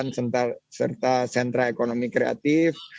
destinasi wisata unggulan serta sentra ekonomi kreatif